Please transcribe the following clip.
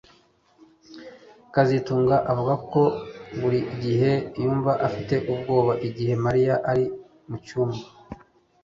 kazitunga avuga ko buri gihe yumva afite ubwoba igihe Mariya ari mucyumba